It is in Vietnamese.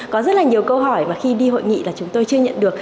có rất là nhiều câu hỏi mà khi đi hội nghị là chúng tôi chưa nhận được